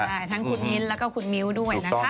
ทั้งขุนนิ้นแล้วก็คุนนิ้วด้วยนะคะ